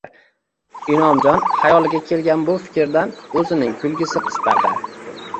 Inomjon hayoliga kelgan bu fikrdan o`zining kulgisi qistadi